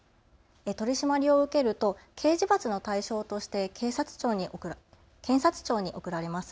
取締りを受けると刑事罰の対象として検察庁に送られます。